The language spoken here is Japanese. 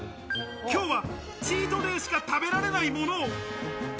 今日はチートデイしか食べられないものを。